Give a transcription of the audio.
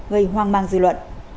gây hoang mang dư luận